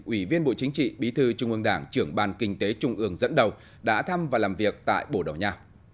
ủy viên bộ chính trị bí thư trung ương đảng trưởng ban kinh tế trung ương dẫn đầu đã thăm và làm việc tại bồ đầu nha